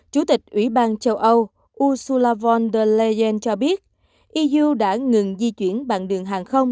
chủ tịch ủy ban châu âu ursula von der leyen cho biết iuu đã ngừng di chuyển bằng đường hàng không